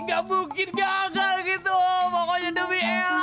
kalau tadi pagi boleh gue ganggaran cincin buat si elak